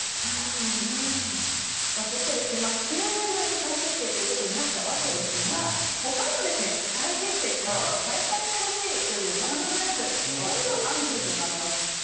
そして９年ぶりの再結成になったわけですが他にも再結成活動再開してほしいというバンドグループこんなアンケートがあります。